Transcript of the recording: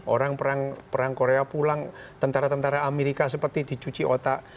orang perang korea pulang tentara tentara amerika seperti dicuci otak